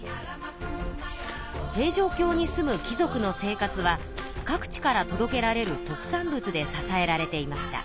平城京に住む貴族の生活は各地からとどけられる特産物で支えられていました。